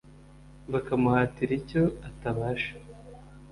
Bakamuhatira icyo atabasha!